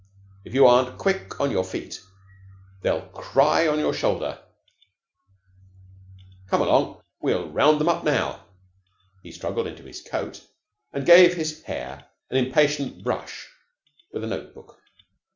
If you aren't quick on your feet, they'll cry on your shoulder. Come along, and we'll round them up now." He struggled into his coat, and gave his hair an impatient brush with a note book.